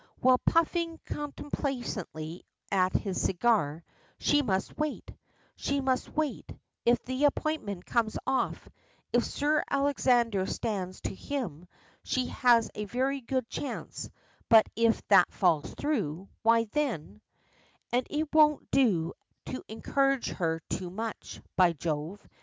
Well, puffing complacently at his cigar, she must wait she must wait if the appointment comes off, if Sir Alexander stands to him, she has a very good chance, but if that falls through, why then And it won't do to encourage her too much, by Jove!